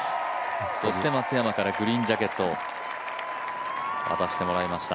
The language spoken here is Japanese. そして松山からグリーンジャケットを渡してもらいました。